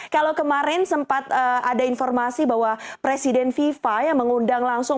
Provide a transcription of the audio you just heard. kalau kemarin sempat ada informasi bahwa presiden fifa yang mengundang langsung